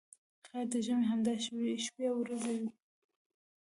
خیر د ژمي همدا شپې او ورځې وې.